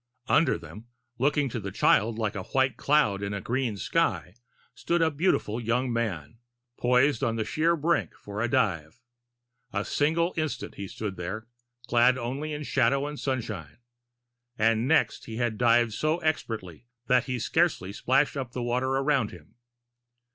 Under them, looking to the child like a white cloud in a green sky, stood a beautiful young man, poised on the sheer brink for a dive. A single instant he stood there, clad only in shadow and sunshine, the next he had dived so expertly that he scarcely splashed up the water around him.